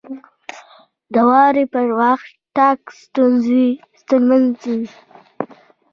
• د واورې پر وخت تګ ستونزمن وي.